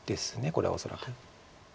これは恐らく。